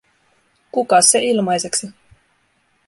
Kukas se ilmaiseksi?